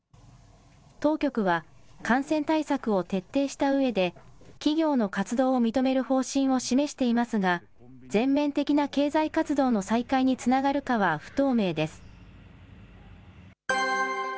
当局は、感染対策を徹底したうえで、企業の活動を認める方針を示していますが、全面的な経済活動の再開につながるかは不透明です。